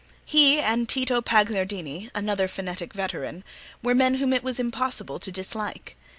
He and Tito Pagliardini, another phonetic veteran, were men whom it was impossible to dislike.